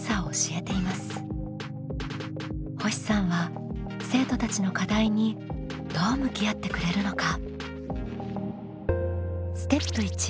星さんは生徒たちの課題にどう向き合ってくれるのか？